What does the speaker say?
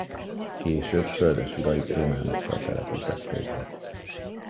Később földesurai románokkal telepítették be.